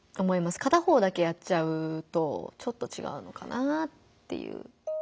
片方だけやっちゃうとちょっとちがうのかなぁっていう。